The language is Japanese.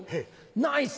ナイス！